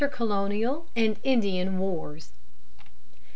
INTERCOLONIAL AND INDIAN WARS.